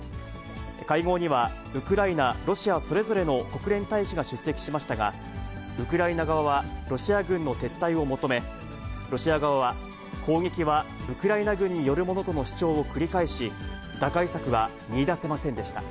会合にはウクライナ、ロシアそれぞれの国連大使が出席しましたが、ウクライナ側はロシア軍の撤退を求め、ロシア側は、攻撃はウクライナ軍によるものとの主張を繰り返し、打開策は見いだせませんでした。